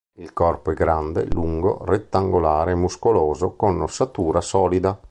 Il corpo è grande, lungo, rettangolare e muscoloso con ossatura solida.